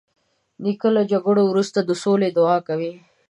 نیکه له جګړو وروسته د سولې دعا کوي.